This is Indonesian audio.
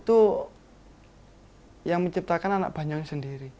itu yang menciptakan anak banyuwangi sendiri